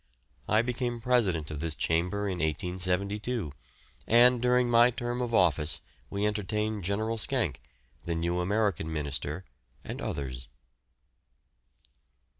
I became president of this chamber in 1872, and during my term of office we entertained General Skenk, the new American Minister, and others.